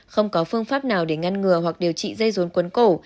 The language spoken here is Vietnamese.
không có phương pháp nào để ngăn ngừa hoặc điều trị dây rốn cuốn cổ